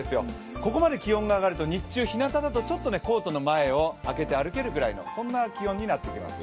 ここまで気温が上がると、日中、日なただとちょっとコートの前を開けて歩けるぐらいのそんな気温になってきますよ。